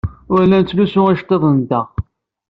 Ur la nettlusu iceḍḍiḍen-nteɣ.